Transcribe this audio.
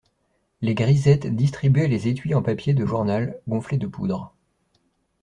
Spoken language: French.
Les grisettes distribuaient les étuis en papier de journal, gonflés de poudre.